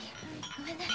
ごめんね。